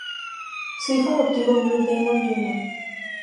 Su hijo adoptivo Blue Demon Jr.